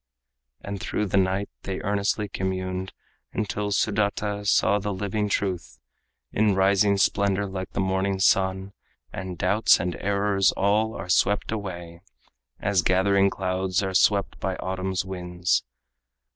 And through the night they earnestly communed, Until Sudata saw the living truth In rising splendor, like the morning sun, And doubts and errors all are swept away As gathering clouds are swept by autumn's winds.